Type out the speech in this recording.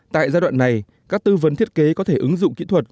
tại giai đoạn này các tư vấn thiết kế có thể ứng dụng kỹ thuật